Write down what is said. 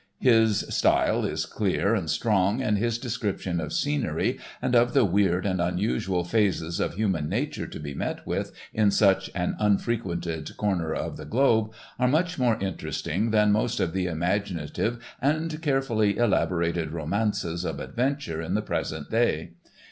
His: style is clear and strong, and his descriptions of scenery, and of the weird and unusual phases of human nature to be met with in such an unfrequented corner of the globe are much more interesting than most of the imaginative and carefully elaborated romances of adventure in the present day.